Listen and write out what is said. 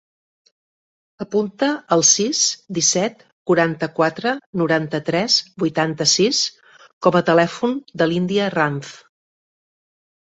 Apunta el sis, disset, quaranta-quatre, noranta-tres, vuitanta-sis com a telèfon de l'Índia Ranz.